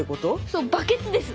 そうバケツです。